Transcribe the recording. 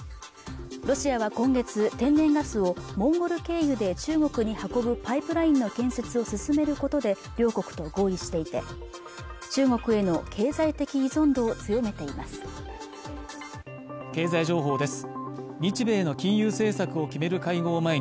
ロシアは今月天然ガスをモンゴル経由で中国に運ぶパイプラインの建設を進めることで両国と合意していて中国への経済的依存度を強めています